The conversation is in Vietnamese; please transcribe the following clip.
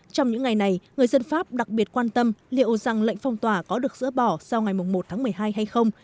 trong những ngày này người dân pháp đặc biệt quan tâm liệu rằng lệnh phong tỏa có được dỡ bỏ sau ngày một tháng một mươi hai hay không